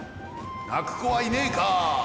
なくこはいねえか！